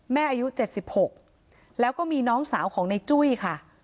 แม่อายุเจ็ดสิบหกแล้วก็มีน้องสาวของในจุ้ยค่ะ